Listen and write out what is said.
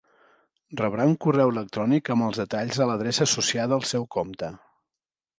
Rebrà un correu electrònic amb els detalls a l'adreça associada al seu compte.